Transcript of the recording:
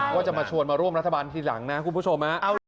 ว่าจะมาชวนมาร่วมรัฐบาลทีหลังนะคุณผู้ชม